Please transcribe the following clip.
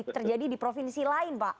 terjadi di provinsi lain pak